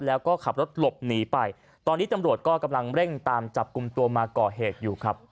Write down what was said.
แล้วก็ขับรถหลบหนีไปตอนนี้ตำรวจก็กำลังเร่งตามจับกลุ่มตัวมาก่อเหตุอยู่ครับ